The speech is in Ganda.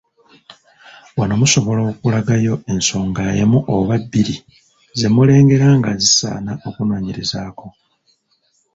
Wano musobola okulagayo ensonga emu oba bbiri ze mulengera nga zisaana okunoonyerezaako. .